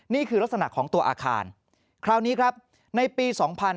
นี่คือลักษณะของตัวอาคารคราวนี้ครับในปี๒๕๕๙